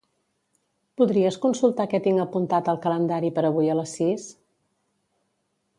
Podries consultar què tinc apuntat al calendari per avui a les sis?